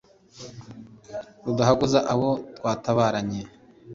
rudahogoza abo twatabaranye.